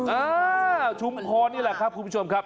อ่าชุมพรนี่แหละครับคุณผู้ชมครับ